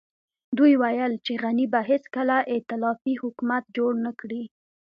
دوی ويل چې غني به هېڅکله ائتلافي حکومت جوړ نه کړي.